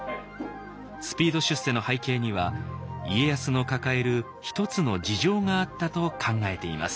スピード出世の背景には家康の抱える一つの事情があったと考えています。